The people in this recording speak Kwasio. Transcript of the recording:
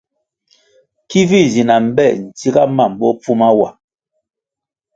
Ki vi nzi na mbpe ntsiga mam bopfuma wa.